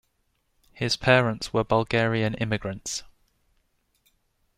His parents were Bulgarian immigrants.